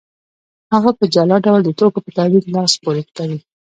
هغه په جلا ډول د توکو په تولید لاس پورې کوي